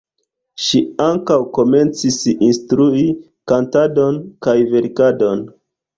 Ŝi ankaŭ komencis instrui kantadon kaj verkadon.